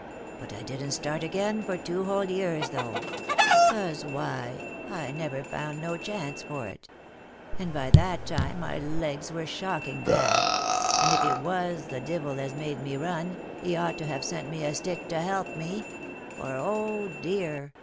But I didn't start again for two whole years though, — 'cause why, I never found no chance for it ; and by that time my legs was shocking bad, and if it was the divil as made me run, he ought to have sent me a stick to help me — for, oh, dear